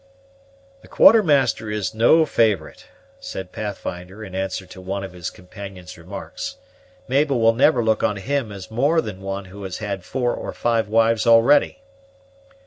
"The Quartermaster is no favorite," said Pathfinder in answer to one of his companion's remarks. "Mabel will never look on him as more than one who has had four or five wives already."